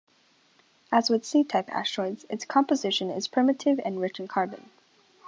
As with C-type asteroids, its composition is primitive and rich in carbon.